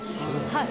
はい。